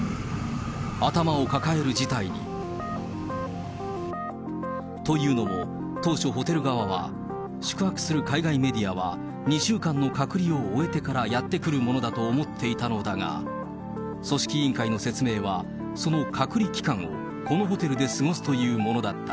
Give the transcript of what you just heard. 頭を抱える事態に。というのも、当初ホテル側は、宿泊する海外メディアは２週間の隔離を終えてからやって来るものだと思っていたのだが、組織委員会の説明は、その隔離期間をこのホテルで過ごすというものだった。